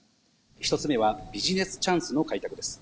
１つ目は、ビジネスチャンスの開拓です。